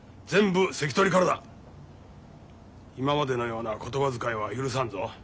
今までのような言葉遣いは許さんぞ。